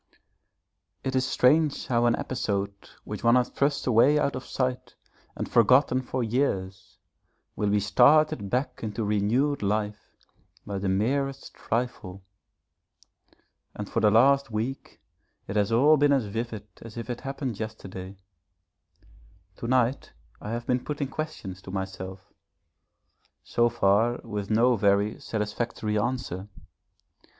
It is strange how an episode which one has thrust away out of sight and forgotten for years will be started back into renewed life by the merest trifle. And for the last week it has all been as vivid as if it happened yesterday. To night I have been putting questions to myself so far with no very satisfactory answer.